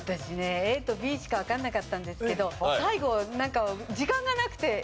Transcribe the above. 私ねＡとＢしかわかんなかったんですけど最後なんか時間がなくてＡ。